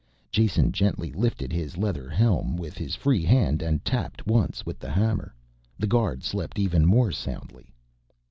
Jason gently lifted his leather helm with his free hand and tapped once with the hammer: the guard slept even more soundly.